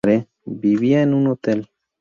Vivía en un hotel.